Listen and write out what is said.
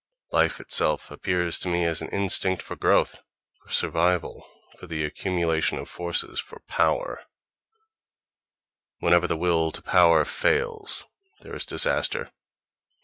Life itself appears to me as an instinct for growth, for survival, for the accumulation of forces, for power: whenever the will to power fails there is disaster.